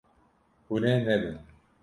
Hûn ê nebin.